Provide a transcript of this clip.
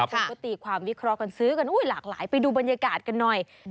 คนก็ตีความวิเคราะห์กันซื้อกันหลากหลายไปดูบรรยากาศกันหน่อย